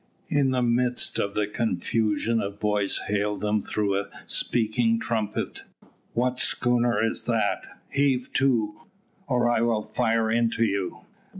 In the midst of the confusion a voice hailed them through a speaking trumpet. "What schooner is that? Heave to, or I will fire into you."